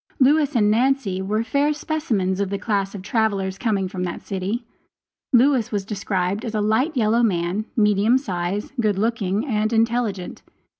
Lewis and Nancy were fair specimens of the class of travelers coming from that city. Lewis was described as a light yellow man, medium size, good looking, and intelligent.